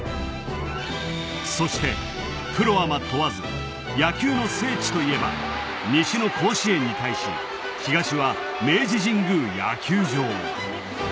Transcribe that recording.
そしてプロ・アマ問わず野球の聖地といえば西の甲子園に対し東は明治神宮野球場。